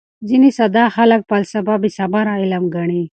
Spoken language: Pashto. ځیني ساده خلک فلسفه بېثمره علم ګڼي.